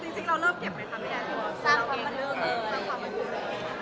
รู้สึกที่สั่งความมั่นโคมเลย